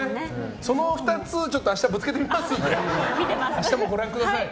その２つ明日ぶつけてみますので明日もご覧ください。